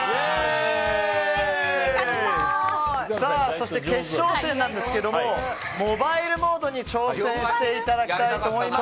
そして決勝戦なんですがモバイルモードに挑戦していただきたいと思います。